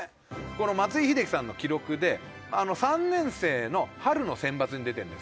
この松井秀喜さんの記録で３年生の春の選抜に出てるんですね。